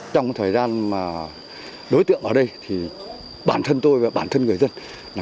trong thời gian mà đối tượng ở đây thì bản thân tôi và bản thân người dân